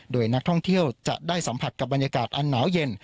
โดยนักท่องเที่ยวจะได้สัมผัสกับบรรยากาศอันหนาวเย็น